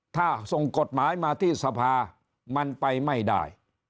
ถ้าส่งกฎหมายมาที่สภามันไปไม่ได้